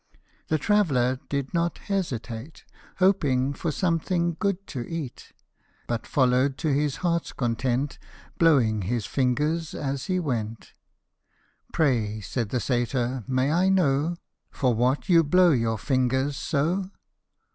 The traveller did not hesitate, Hoping for something good to eat, But followed to his heart's content, Blowing his fingers as he went. " Pray," said the Satyr, " may I know For what you blow your fingers so